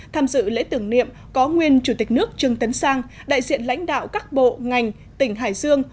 tham dự lễ tưởng niệm có nguyên chủ tịch nước trương tấn sang đại diện lãnh đạo các bộ ngành tỉnh hải dương